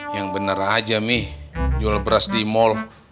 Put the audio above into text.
yang bener aja mi jual beras di mal